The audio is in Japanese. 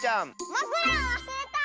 まくらをわすれた！